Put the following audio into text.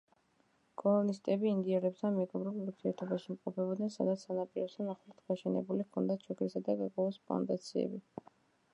კოლონისტები ინდიელებთან მეგობრულ ურთიერთობაში იმყოფებოდნენ, სადაც სანაპიროსთან ახლოს გაშენებული ჰქონდათ შაქრისა და კაკაოს პლანტაციები.